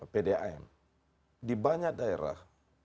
pdam di banyak daerah